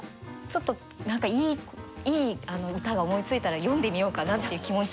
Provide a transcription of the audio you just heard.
ちょっと何かいい歌が思いついたら詠んでみようかなっていう気持ちに。